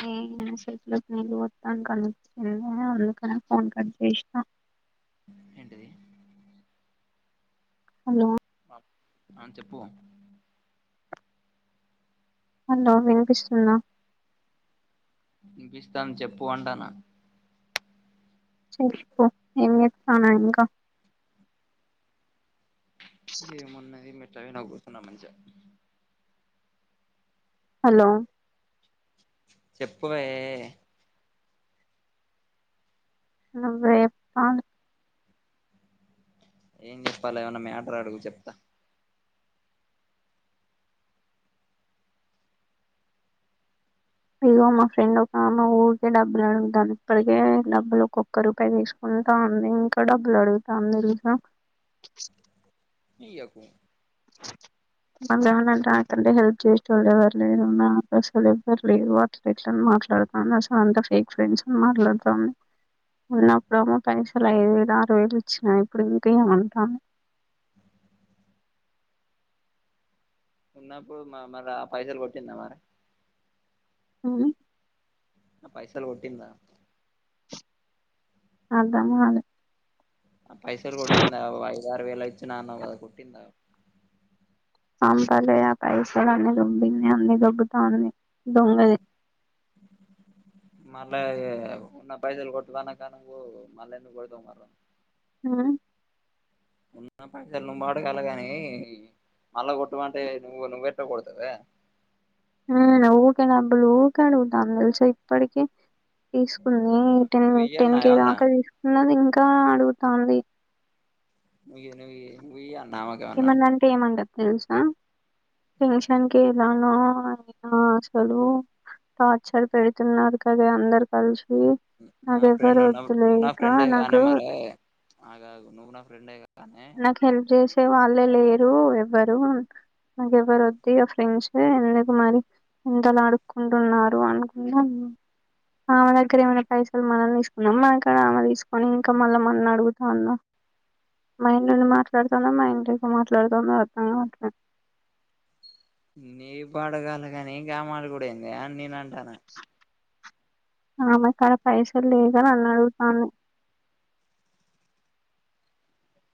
న ఎ సట్లు నలు వాం కానీ ఇ ఒందు కన ఫోన్ కడి శేష్టణ ఏంటిది హలో ఆ చెప్పు హలో వినిపిస్తున్ద ఇనిపిస్తాంది చెప్పు అంటన చేపు ఎంచయతనవు ఇంకా ఏమన్నది మే చవి నాకుస్తున్నా మంగ హలో చెప్పవే నువే పడు ఏం చెప్పాల ఏమన్నా మ్యాటర్ అడుగు చెప్తా ఇగ మా ఫ్రెండ్ ఒక మా ఊరికే డబ్బులు అడుగుతనది ఇప్పటికే డబ్బులు ఒక్కొక్క రూపాయి తీసుకుంటాంది ఇంకా డబ్బులు అడుగుతనుండి తెలుసా ఈయకు ఏమంటే నాకంటే హెల్ప్ చేసే వాళ్ళు ఎవరు లేదు అసలు ఎవ్వరు లేరు అట్ ఇట్లని మాట్లాడతా అసలు అంత ఫేక్ ఫ్రెండ్స్ అని మాట్లాడతాము ఉన్నప్పుడేమో పైసలు ఐదు వేలు ఆరు వేలు వచ్చినా ఇప్పుడు ఇంకేమంటాను ఉన్నప్పుడు మరి ఆ పైసలు కొట్టిందా మరి ఉ ఆ పైసలు కొటిందా అర్థంకాలే పైసలు కొట్టింద ఆరు వేలయితే కొట్టిన అన్నవ్ కదా కొట్టింద పంపలే ఆ పైసలు అన్ని దొబ్బింది అన్ని దొబ్బుతాంది దొంగది మళ్ళ ఇగ ఉన్న పైసలు కొట్టు అనక మళ్ళా ఎందుకు కొడతవ్ మరె ఆ ఉన్న పైసలు నువ్వు అడగాలే కాని మళ్ళా కొట్టమంటే నువ్వు నువ్వెట్ట కొడుతవే మరే అ ఊకె డబ్బులు ఊక అడుగుతాంది తెలుస ఇప్పటికి తీసుకుంది టెన్ నువ్వు ఇయ్యి టెన్ అన్నా కే ఏమన్నా దాక తీసుకున్నది ఇం ఇంకా అడుగుతాంది నువియ్యి నువ్వు నువ్వు అన్నావా ఏమన్నా ఆమెకేమన్నా అంటే ఏమంటది తెలుసా [unintelligible] లో అయినా అసలు టార్చర్ పెడుతున్నారు కదే అందరు కలిసి నా ఫ్రెండ్ నాకెవ్వరు నా వద్దులే నువ్వు నా ఇక ఫ్రెండే నాకు కానే మరే ఆగాగు నువ్వు నా ఫ్రెండే కానీ నాకు హెల్ప్ చేసే వాళ్ళే లే రు ఎవ్వరు నాకు ఎవరు వద్దిగ ఫ్రెండ్స్ ఎందుకు మరి ఇంతలా అడుకుంటున్నారు అనుకుంటా ఆమె దగ్గర ఏమైనా పైసలు మనం తీసుకున్నామా మనకాడ ఆమె తీసుకొని ఇంకా మళీ మనని అడుగుతా ఉన్నా మైండ్ ఉండి మాట్లాడుతాందా మైండ్ లేక మాట్లాడుతాందో అర్థమేకాట్లేదు నీ పాడగాలుగాని గామడుగుడు ఏందే అని నేను అంటాన ఆమె కాడ పైసలు లేక నన్నడుగుతాంది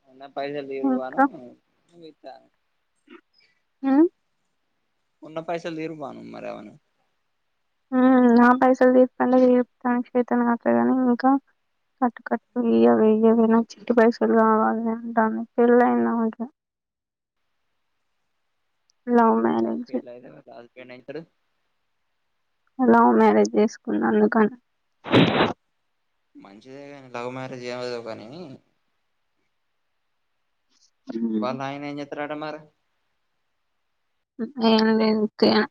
అన్న పైసలు ఇవ్వను ఇంకా [unintelligible] ఆ ఉన్న పైసలు తీర్పుమను మరామను నా పైసలు తీసుకుంట తీర్పుతానికి చేతన్ కాట్లే ఇంకా కట్టు కట్టు ఇయ్యవే ఇయ్యవే నాకు చిట్టి పైసలు కావాలే అంటాంది ఇంకా పెళ్లయింది ఆమెకి లావు గిట్లైతే మరి రాజ [unintelligible] అయితడు లవ్ మ్యారేజ్ చేసుకున్నాందుకని మంచిదే కానీ లవ్ మ్యారేజ్ ఏమైందో కానీ ఉమ్ వాళ్ళయన ఏం చెత్తడట మరి ఏమో నేను [unintelligible]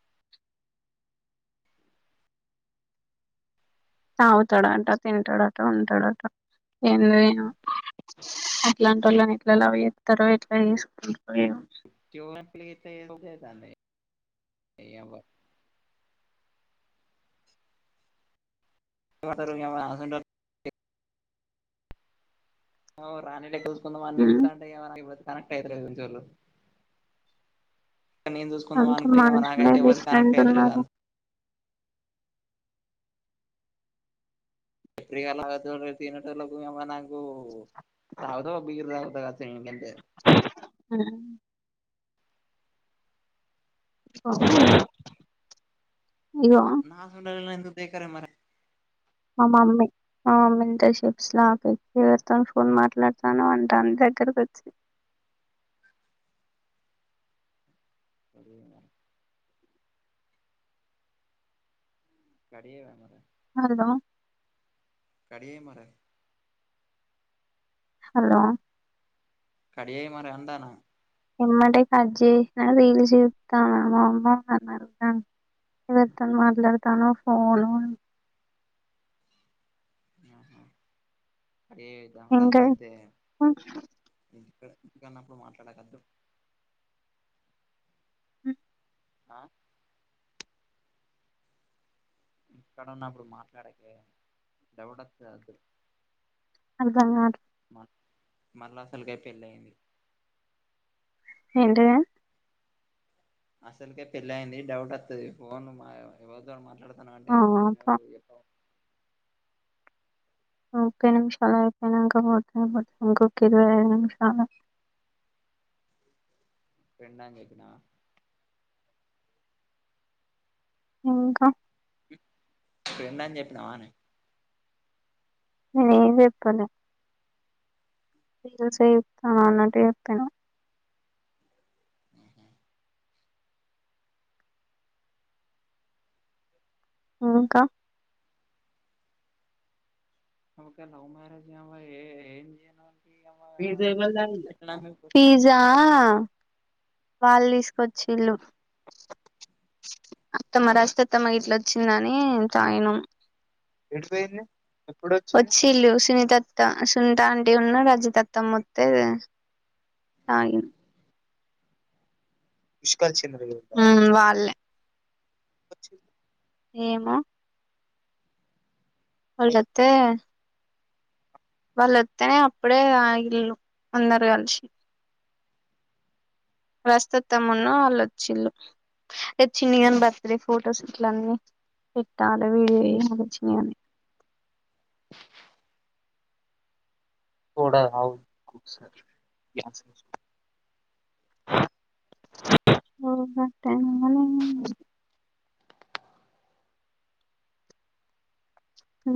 తాగుతడంట తింటడట ఉంటడట ఏంలేదు అట్లాంటి వాళ్ళని ఎట్ల లవ్ చేస్తరో ఎట్లా చేసుకుంటరో ఏమో [inaudible] నీయవ్వ [unintelligible] అసొంటోలు ఆమె రాణి లెక్క చూస్ కొంతమంది ఉమ్ [inaudible] కనెక్ట్ అయితు ఇ చలు ఇడ నేను చూసుకుందాం అంత అనుకో ఏమ మనుషులే నాకైతే పోతే కనెక్ట్ డిఫరెంట్ ఉన్నారు అయిపోరుదాంత ఎప్పటికి లాగా తినటలకు ఏమ నాకు తాగుతా బిగరు తాగుతా కద ఇంకంటే ఆ ఇగో నా అదే కరే మరి మా మమ్మీ మా మమ్మీ ఇంటర్షిప్స్లాపచ్చి వడతాను ఫోన్ మాట్లాడతాను అంటని దగ్గరకు వచ్చి అది గడి ఏ అ మరి హలో అరే మర హలో కడియి మరంటానా ఎమ్మడ కజ రీల్స్తాను అమ్మ అమ్తా మాట్లాడుతాను ఫోను ఆహ అతేట ఇంకా సద్దే ఎక్కువ ఇ ఇందుకన్నప్పుడు మాట్లాడకదు అ ఆ ఇక్కడన్నప్పుడు మాట్లాడక దెబడ వచ్చదు అదా మళ్ళా అసలుకై పెళ్ళి అయింది ఏంట అసలుకే పెళ్ళి అయింది డౌట్ వస్తుది ఫోన్ మా ఎవరితో మాట్లాడుత ఆ! తనాటే ప పో ఎప్ప ముప్పై నిమిషాలు అయిపోయినాక పోత పోత ఇంకొక ఇరవై ఐదు నిమిషాలు రెంటా కతున ఇంకా ఇడు రంద అని చెప్పినవానే వి వ్యప్పలేసయుతన్నటుప్పిన ఆహ ఇంకా నకా లవ్ మ్యారేజ్ ఏ ఏం చేనా ప పిజ్జా వాళ్ళు తీసుకొచ్చి ఇల్లుు అత్తమ్మ రాజతత్తమ ఇట్లా వచ్చిందని తాగను వచ్చి ఇల్లు సునీతత్త సునిత అంటే ఉన్నా రాజతత్త వత్తే తాగ వా ఏమో అతే వాళ్ళొస్తేనే అప్పుడే ఇల్ళు అందరు కలిసి ప్రస్తు వత్తాంన్న వాళ్ళుొచ్చిళు చిన్నిగాని బర్త్డే ఫొటోస్ ఇట్లన్నీ పెట్టాలి వీడియోయ వ చిని ఆ